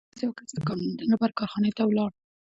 یوه ورځ یو کس د کار موندنې لپاره کارخانې ته ولاړ